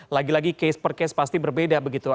lagi lagi case per case pasti berbeda begitu